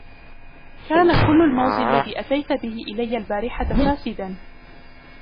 كان كل الموز الذي أتيت به إلي البارحة فاسدًا.